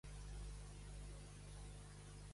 On es troben gran part d'ells?